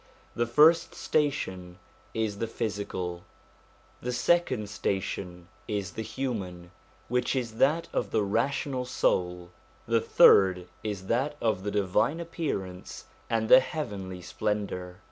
The first station is the physical ; the second station is the human, which is that of the rational soul ; the third is that of the divine appearance and the heavenly splendour.